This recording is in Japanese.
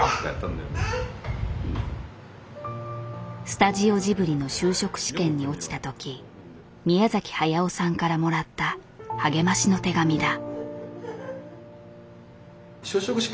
スタジオジブリの就職試験に落ちた時宮崎駿さんからもらった励ましの手紙だ。